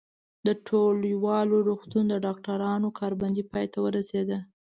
د ټولوال روغتون د ډاکټرانو کار بندي پای ته ورسېده.